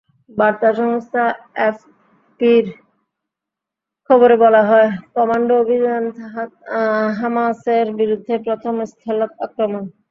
বার্তা সংস্থা এএফপির খবরে বলা হয়, কমান্ডো অভিযান হামাসের বিরুদ্ধে প্রথম স্থল আক্রমণ।